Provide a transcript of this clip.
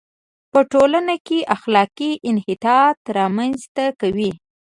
په ټولنه کې اخلاقي انحطاط را منځ ته کوي.